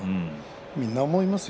みんな思いますよ。